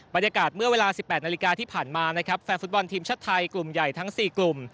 บรรยากาศเมื่อเวลา๑๘นาฬิกาที่ผ่านมานะครับแฟนฟุตบอลทีมชาติไทยกลุ่มใหญ่ทั้ง๔กลุ่ม